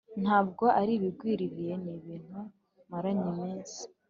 ntabwo ari ibigwiririye ni ibintu maranye iminsi”